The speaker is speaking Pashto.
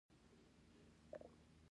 واردات کم کړئ